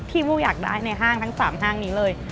มูอยากได้ในห้างทั้ง๓ห้างนี้เลย